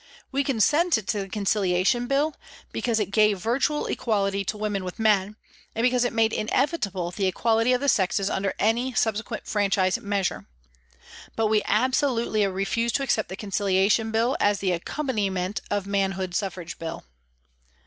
We consented to the Conciliation Bill because it gave virtual equality to women with men, and because it made inevitable the equality of the sexes under any subsequent franchise measure. But we absolutely refused to accept the Conciliation Bill as the accom paniment of Manhood Suffrage Bill.